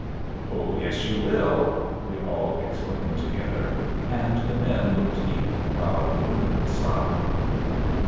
"Oh, yes you will!" we all exclaimed together; and the men looked eager while the women sighed.